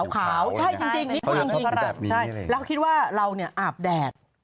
ใช่จริงมีผู้หญิงแล้วคิดว่าเราเนี่ยอาบแดด